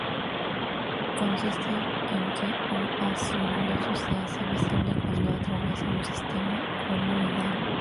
Consiste en que un haz luminoso se hace visible cuando atraviesa un sistema coloidal.